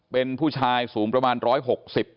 เป็นผู้ชายสูงประมาณ๑๖๐